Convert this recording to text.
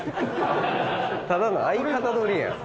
ただの相方撮りやん。